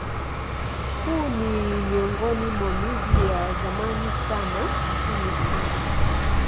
Huu ni miongoni mwa miji ya zamani sana nchini Uswidi.